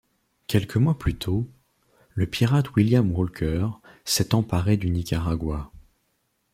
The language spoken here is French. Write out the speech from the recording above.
Quelques mois plus tôt, le pirate William Walker s'est emparé du Nicaragua.